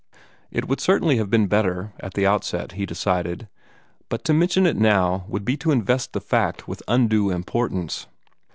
It would certainly have been better, at the outset, he decided; but to mention it now would be to invest the fact with undue importance.